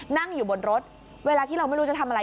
นั่งอยู่บนรถเวลาที่เราไม่รู้จะทำอะไร